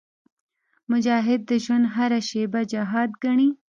مجاهد د ژوند هره شېبه جهاد ګڼي.